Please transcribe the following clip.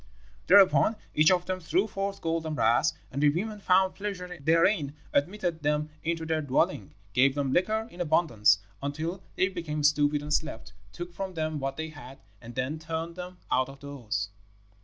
Thereupon each of them threw forth gold and brass, and the women found pleasure therein, admitted them into their dwelling, gave them liquor in abundance, until they became stupid and slept, took from them what they had, and then turned them out of doors.